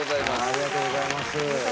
ありがとうございます。